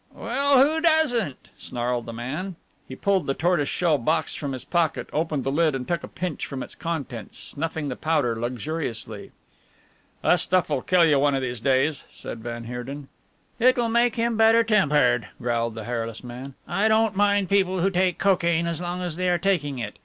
"Well, who doesn't?" snarled the man. He pulled the tortoiseshell box from his pocket, opened the lid and took a pinch from its contents, snuffling the powder luxuriously. "That stuff will kill you one of these days," said van Heerden. "It will make him better tempered," growled the hairless man. "I don't mind people who take cocaine as long as they are taking it.